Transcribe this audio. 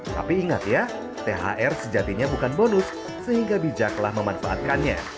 tapi ingat ya thr sejatinya bukan bonus sehingga bijaklah memanfaatkannya